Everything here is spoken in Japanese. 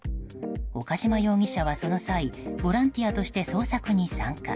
岡島容疑者は、その際ボランティアとして捜索に参加。